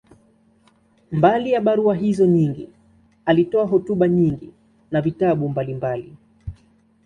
Mbali ya barua hizo nyingi, alitoa hotuba nyingi na vitabu mbalimbali.